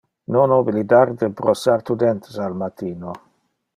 Non oblidar de brossar tu dentes al matino.